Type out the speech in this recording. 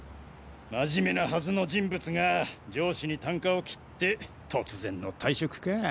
真面目なはずの人物が上司に啖呵を切って突然の退職か。